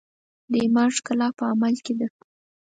د ایمان ښکلا په عمل کې ده.